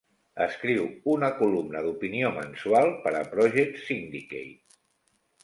Escriu una columna d'opinió mensual per a Project Syndicate.